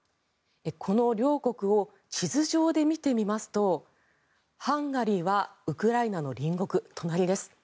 この両国を地図上で見てみますとハンガリーはウクライナの隣国、隣です。